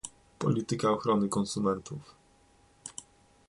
Polityka ochrony konsumentów